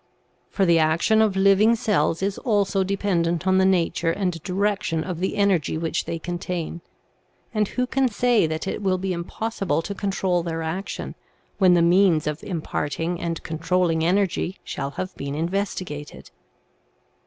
For the action of living cells is also dependent on the nature and direction of the energy which they contain ; and who can say that it will be im possible to control their action, when the means of impart ing and controlling energy shall have been investigated